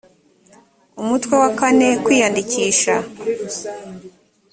umutwe wa iv kwiyandikisha